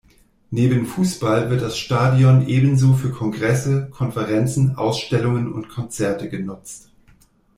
Neben Fußball wird das Stadion ebenso für Kongresse, Konferenzen, Ausstellungen und Konzerte genutzt.